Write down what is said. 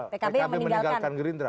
pkb meninggalkan gerindra